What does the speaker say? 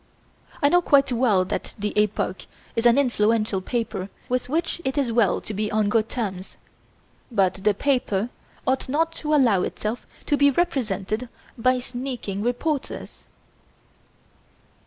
I know quite well that the 'Epoque' is an influential paper with which it is well to be on good terms, but the paper ought not to allow itself to be represented by sneaking reporters.